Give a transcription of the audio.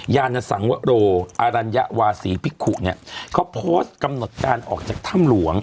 ยาณสังวะโรศ์อารัญวาศรีพิกฮุเค้าโพสต์กำหนดการออกจากถ้ำหลวง